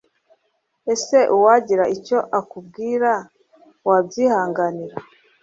ese uwagira icyo akubwira, wabyihanganira